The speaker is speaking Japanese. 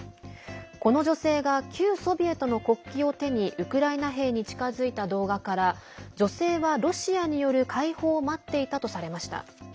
この女性が旧ソビエトの国旗を手にウクライナ兵に近づいた動画から女性はロシアによる解放を待っていたとされました。